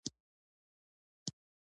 غوماشې له پاک ځای نه لیري کېږي.